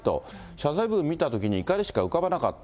謝罪文見たときに、怒りしか浮かばなかった。